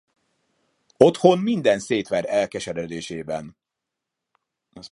Otthon minden szétver elkeseredésében.